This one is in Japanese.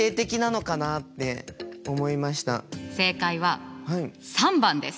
正解は３番です。